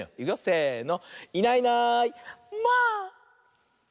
せの。